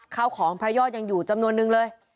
ข้าวของพระยอดยังอยู่จำนวนนึงเลย